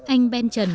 anh ben trần